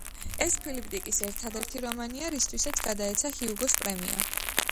ეს ფილიპ დიკის ერთადერთი რომანია, რისთვისაც გადაეცა ჰიუგოს პრემია.